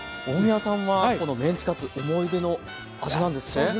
大宮さんはこのメンチカツ思い出の味なんですね。